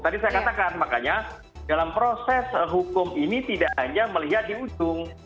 tadi saya katakan makanya dalam proses hukum ini tidak hanya melihat di ujung